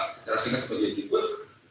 secara singkat sebagai berikut